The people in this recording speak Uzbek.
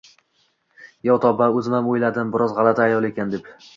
Yo tovba, o`zimam o`yladim, biroz g`alati ayol ekan, deb